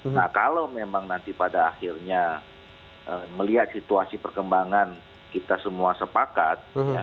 nah kalau memang nanti pada akhirnya melihat situasi perkembangan kita semua sepakat